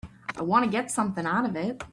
I want to get something out of it.